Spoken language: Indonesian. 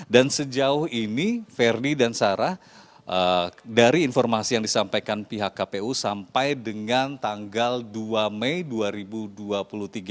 dan sejauh ini verdi dan sarah dari informasi yang disampaikan pihak kpu sampai dengan tanggal dua mei dua ribu dua puluh satu